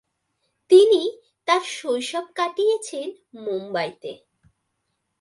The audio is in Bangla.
তিনি তার শৈশব কাটিয়েছেন মুম্বাই তে।